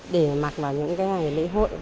để mặc vào những lễ hội